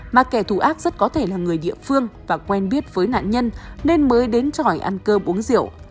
mà kẻ thù ác rất có thể là người địa phương và quen biết với nạn nhân nên mới đến tròi ăn cơ uống rượu